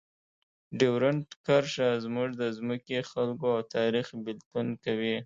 ډیورنډ کرښه زموږ د ځمکې، خلکو او تاریخ بېلتون کوي.